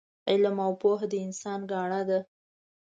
علم او پوه د انسان ګاڼه ده